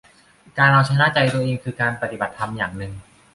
การเอาชนะใจตัวเองคือการปฏิบัติธรรมอย่างหนึ่ง